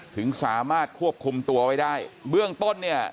ถึงสามารถควบคุมตัวไว้ได้เบื้องต้นเนี่ย